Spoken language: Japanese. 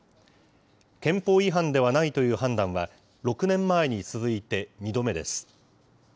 憲法違反ではないという判断は、６年前に続いて２度目です。